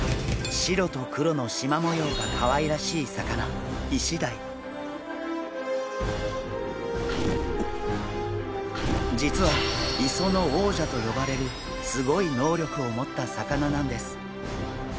白と黒のしま模様がかわいらしい魚実は磯の王者と呼ばれるすごい能力を持った魚なんです！